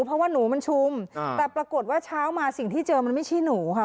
เพราะว่าหนูมันชุมแต่ปรากฏว่าเช้ามาสิ่งที่เจอมันไม่ใช่หนูค่ะ